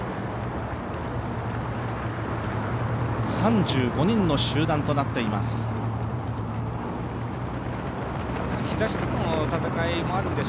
３５人の集団となっています。